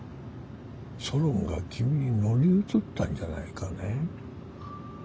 ソロンが君に乗り移ったんじゃないかね？